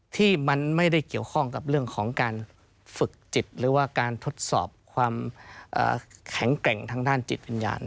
ที่มันไม่ได้เกี่ยวข้องกับเรื่องของการฝึกจิตหรือว่าการทดสอบความแข็งแกร่งทางด้านจิตวิญญาณ